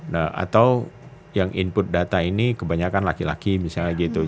nah atau yang input data ini kebanyakan laki laki misalnya gitu